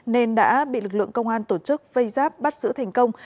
nên đã bị lực lượng công an tổ chức vây giáp bắt giữ thành công